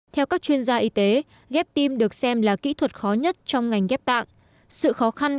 theo các chuyên gia y tế ghép tim được xem là kỹ thuật khó nhất trong ngành ghép tạng sự khó khăn